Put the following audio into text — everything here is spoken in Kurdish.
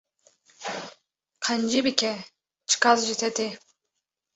Qencî bike çi qas ji te tê